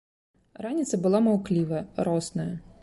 Раніца была маўклівая, росная.